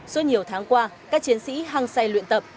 suốt nhiều tháng qua các chiến sĩ hăng say luyện tập